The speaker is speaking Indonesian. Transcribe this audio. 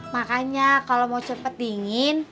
makanya kalau mau cepat dingin